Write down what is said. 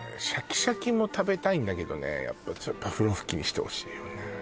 シャキシャキも食べたいんだけどねやっぱふろふきにしてほしいよね